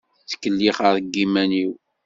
Ttkellixeɣ deg yiman-iw.